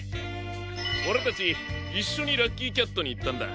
オレたちいっしょにラッキーキャットにいったんだ。